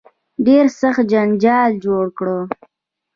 ډېر سخت جنجال جوړ کړ.